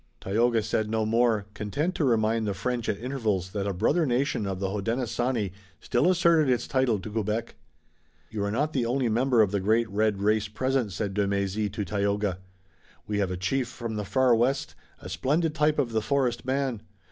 Tayoga said no more, content to remind the French at intervals that a brother nation of the Hodenosaunee still asserted its title to Quebec. "You are not the only member of the great red race present," said de Mézy to Tayoga. "We have a chief from the far west, a splendid type of the forest man.